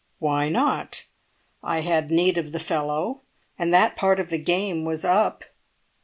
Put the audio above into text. "Why not? I had need of the fellow, and that part of the game was up."